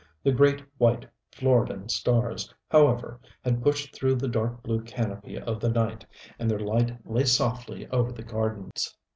The great, white Floridan stars, however, had pushed through the dark blue canopy of the night, and their light lay softly over the gardens.